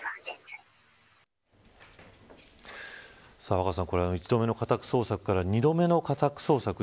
若狭さん１度目の家宅捜索から２度目の家宅捜索へと